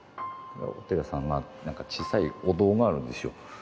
お寺さんがなんか小さいお堂があるんですよ。